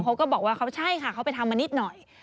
เขาก็บอกว่าเขาใช่ค่ะเขาไปทำมานิดหน่อย